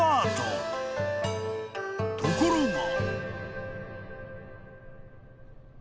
［ところが］